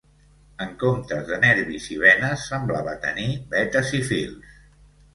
En comptes de nervis i venes, semblava tenir betes i fils